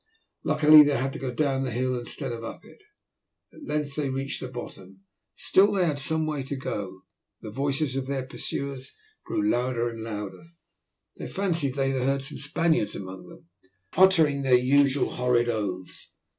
Luckily they had to go down the hill instead of up it. At length they reached the bottom; still they had some way to go. The voices of their pursuers grew louder and louder. They fancied that they heard some Spaniards among them, uttering their usual horrid oaths.